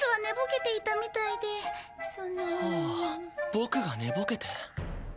僕が寝ぼけて？